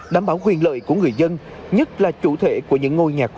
đảm bảo quyền lợi của người dân nhất là chủ thể của những ngôi nhà cũ